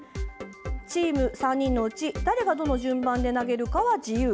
チーム３人のうち誰がどの順番で投げるかは自由。